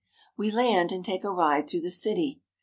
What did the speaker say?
We land and take a ride through the city.